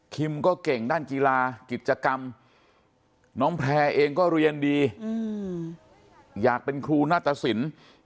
ก็เก่งด้านกีฬากิจกรรมน้องแพร่เองก็เรียนดีอยากเป็นครูนาตสิน